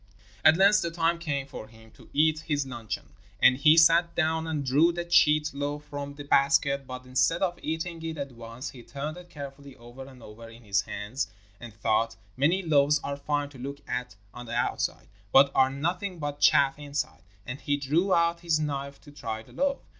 At length the time came for him to eat his luncheon, and he sat down and drew the cheat loaf from the basket. But instead of eating it at once he turned it carefully over and over in his hands, and thought: 'Many loaves are fine to look at on the outside, but are nothing but chaff inside,' and he drew out his knife to try the loaf.